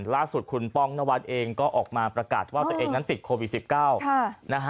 ล่าสุดคุณป้องนวัดเองก็ออกมาประกาศว่าตัวเองนั้นติดโควิด๑๙